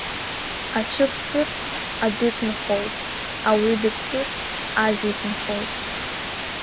Аҽы ԥсыр, адәы ҭынхоит, ауаҩы дыԥсыр, ажәа иҭынхоит.